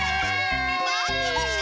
まってました！